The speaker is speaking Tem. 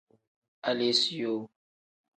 Aleesiyoo.